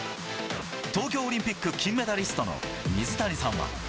東京オリンピック金メダリストの水谷さんは。